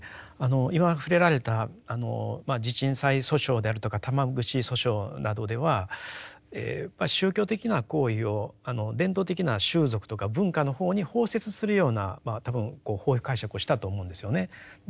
今触れられた地鎮祭訴訟であるとか玉串訴訟などではやっぱり宗教的な行為を伝統的な習俗とか文化の方に包摂するような多分法解釈をしたと思うんですよね。